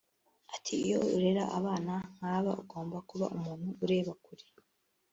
Ati “Iyo urera abana nk’aba ugomba kuba umuntu ureba kure